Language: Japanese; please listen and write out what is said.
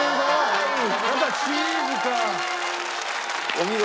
お見事。